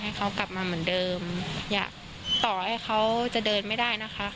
ให้เขากลับมาเหมือนเดิมอย่าต่อให้เขาจะเดินไม่ได้นะคะ